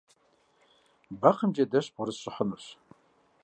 Бэкхъым джэдэщ бгъурысщӏыхьынущ.